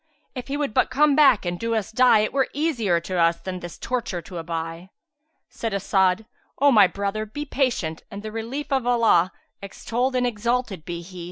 If he would but come back and do us die, it were easier to us than this torture to aby." Said As'ad, "O my brother, be patient, and the relief of Allah (extolled and exalted be He!)